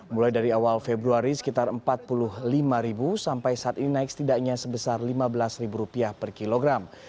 mulai dari awal februari sekitar rp empat puluh lima sampai saat ini naik setidaknya sebesar rp lima belas per kilogram